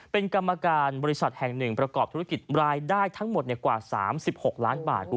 เป็นกรรมการบริษัทแห่งหนึ่งประกอบธุรกิจรายได้ทั้งหมดกว่า๓๖ล้านบาท